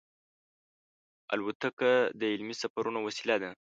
الوتکه د علمي سفرونو وسیله ده.